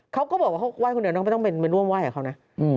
เขาก็บอกว่าเขาว่ายคนเดี๋ยวไม่ต้องเป็นร่วมว่ายกับเขานะ